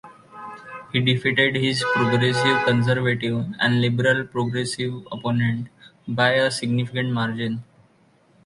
He defeated his Progressive Conservative and Liberal-Progressive opponents by a significant margin.